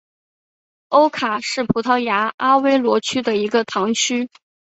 欧卡是葡萄牙阿威罗区的一个堂区。